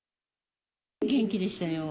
元気でしたよ。